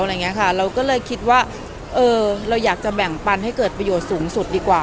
เราก็เลยคิดว่าเออเราอยากจะแบ่งปันให้เกิดประโยชน์สูงสุดดีกว่า